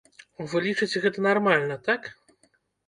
Вы лічыце гэта нармальна, так?